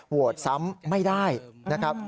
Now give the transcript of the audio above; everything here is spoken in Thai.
โหวตซ้ำไม่ได้นะครับ